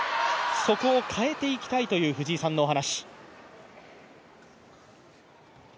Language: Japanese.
そこを変えていきたいという藤井さんのお話。